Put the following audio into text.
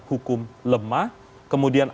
hukum lemah kemudian